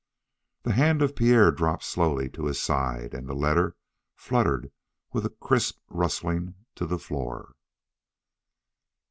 The hand of Pierre dropped slowly to his side, and the letter fluttered with a crisp rustling to the floor.